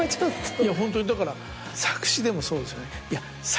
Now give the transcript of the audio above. いやホントにだから作詞でもそうですよね。